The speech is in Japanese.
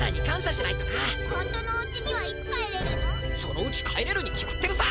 そのうちかえれるにきまってるさ！